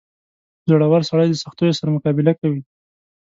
• زړور سړی د سختیو سره مقابله کوي.